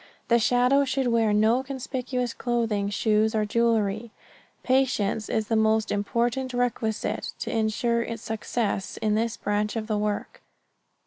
The shadow should wear no conspicuous clothing, shoes or jewelry. Patience is the most important requisite to insure success in this branch of the work.